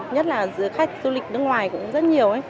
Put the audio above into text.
nhất là giữa khách du lịch nước ngoài cũng rất nhiều